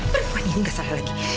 perempuan ini gak salah lagi